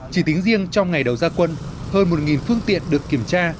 chỉ tính riêng trong ngày đầu gia quân hơn một phương tiện được kiểm tra